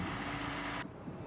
ketika uji beban tersebut dilakukan